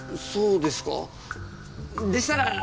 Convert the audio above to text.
そうですか？